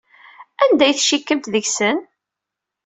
Anda ay tcikkemt deg-sen?